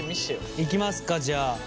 いきますかじゃあ。